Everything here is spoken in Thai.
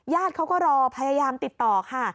เขาก็รอพยายามติดต่อค่ะ